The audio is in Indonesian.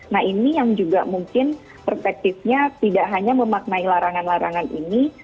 nah ini yang juga mungkin perspektifnya tidak hanya memaknai larangan larangan ini